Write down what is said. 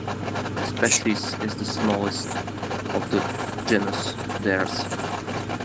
The species is the smallest of the genus "Dares".